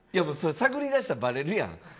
探り出したらばれるやん。